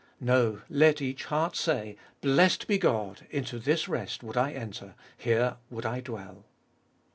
No, let each heart say, Blessed be God, into this rest would I enter, here would I dwell.